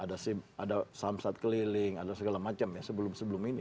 ada samsat keliling ada segala macam ya sebelum sebelum ini